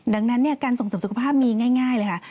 ดังนั้นการส่งเสริมสุขภาพมีง่ายเลยค่ะ